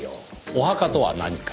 お墓とは何か？